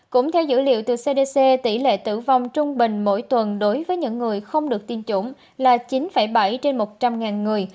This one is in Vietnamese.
cũng theo dữ liệu từ cdc tỷ lệ tử vong trung bình mỗi tuần đối với những người không được tiêm chủng là chín bảy trên một trăm linh người